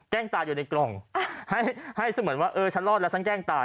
ตายอยู่ในกล่องให้ให้เสมือนว่าเออฉันรอดแล้วฉันแกล้งตาย